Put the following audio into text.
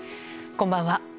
こんばんは。